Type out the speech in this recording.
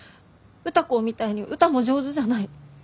歌子みたいに歌も上手じゃない。